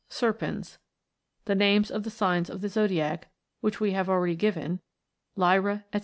Serpens ; the names of the signs of the zodiac, which we have already given ; Lyra, &c.